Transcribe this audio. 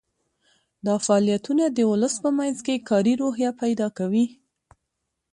دا فعالیتونه د ولس په منځ کې کاري روحیه پیدا کوي.